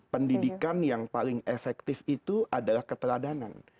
pendidikan yang paling efektif itu adalah keteladanan